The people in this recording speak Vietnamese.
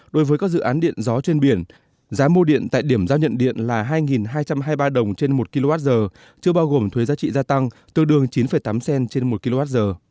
đối với các dự án điện gió trên biển giá mua điện tại điểm giao nhận điện là hai hai trăm hai mươi ba đồng trên một kwh chưa bao gồm thuế giá trị gia tăng tương đương chín tám cent trên một kwh